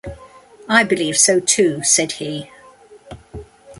"I believe so, too," said he.